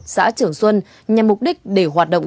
xã trường xuân nhằm mục đích để hoạt động